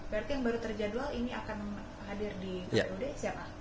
berarti yang baru terjadwal ini akan hadir di kpud siapa